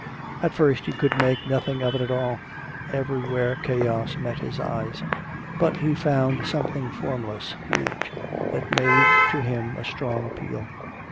At first he could make nothing of it at all; everywhere chaos met his eyes. But he found something formless, huge, that made to him a strong appeal.